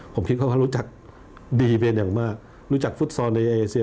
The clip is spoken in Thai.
ผมคิดว่าเขารู้จักดีเป็นอย่างมากรู้จักฟุตซอลในเอเซีย